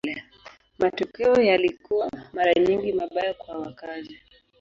Matokeo yalikuwa mara nyingi mabaya kwa wakazi.